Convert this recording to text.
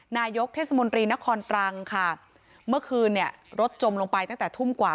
นายกเทศมนตรีนครตรังค่ะเมื่อคืนเนี่ยรถจมลงไปตั้งแต่ทุ่มกว่า